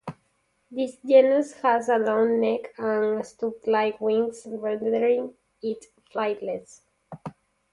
This genus had a long neck and stub-like wings, rendering it flightless.